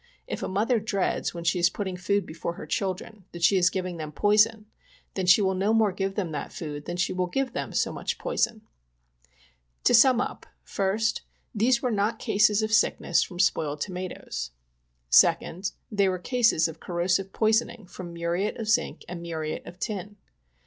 If a mother dreads when she is putting food before her children that she is giving them poison, then she will no more give them that food than she will give them so much poison. To sum up — 1st. These were not cases of sickness from spoiled toma toes. POISONING BY CANNED GOODS. 73 2cl. They were cases of corrosive poisoning from muriate of zinc and muriate of tin.